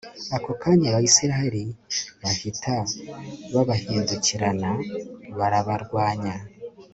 ako kanya abayisraheli bahita babahindukirana, barabarwanya